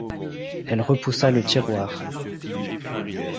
Elle repoussa le tiroir.